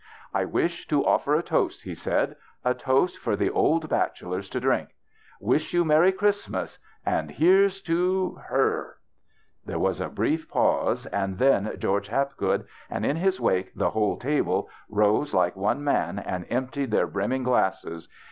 " I wish to offer a toast," he said, " a toast for the old bachelors to drink. Wish you merry Christmas and — and here's to her !" There was a brief pause, and then George Hapgood, and in his wake the whole table, rose like one man and emptied their brim ming glasses.